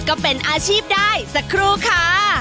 ก็เป็นอาชีพได้สักครู่ค่ะ